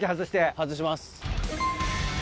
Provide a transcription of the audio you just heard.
外します。